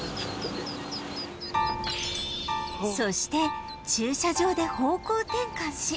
そして駐車場で方向転換し